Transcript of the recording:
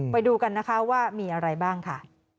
ไปดูกันนะคะว่ามีอะไรบ้างค่ะ